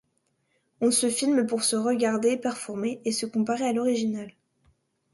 On se filme pour se regarder performer et se comparer à l’original.